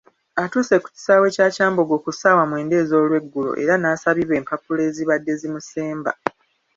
Atuuse ku kisaawe kya Kyambogo ku ssaawa mwenda ez'olweggulo era n'asabibwa empapula ezibadde zimusemba.